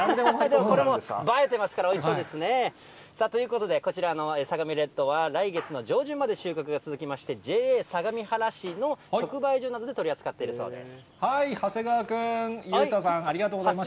これも映えてますから、おいしそうですね。ということで、こちらの相模レッドは来月の上旬まで収穫が続きまして、ＪＡ相模原市の直売所などで取り扱っているそうです。